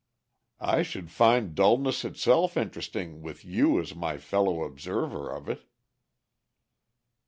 "I should find dullness itself interesting with you as my fellow observer of it."